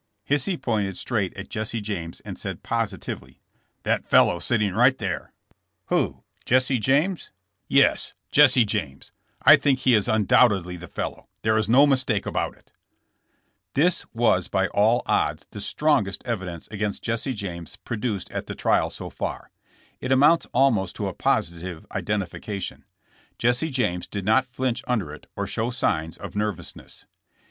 Hisey pointed straight at Jesse James and said positively : *'That fellow sitting right there." Who, Jesse James?" 162 JESSB JAMKS. *'Yes; Jesse James. I think he is undoubtedly the fellow ; there is no mistake about it. '' This was by all odds the strongest evidence against Jesse James produced at the trial so far. It amounts almost to a positive identification. Jesse James did not flinch under it or show signs of nerv ousness.